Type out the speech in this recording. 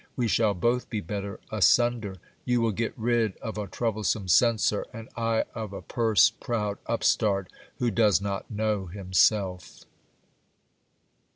We shall both be better j asunder ; you will get rid of a troublesome censor, and I of a purse proud upstart who does not know himself.